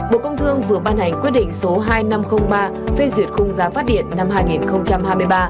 bộ công thương vừa ban hành quyết định số hai nghìn năm trăm linh ba phê duyệt khung giá phát điện năm hai nghìn hai mươi ba